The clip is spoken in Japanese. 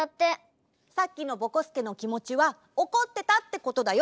さっきのぼこすけのきもちはおこってたってことだよ！